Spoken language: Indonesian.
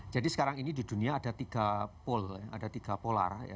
jadi sekarang ini di dunia ada tiga pol ada tiga polar